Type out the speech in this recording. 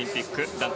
団体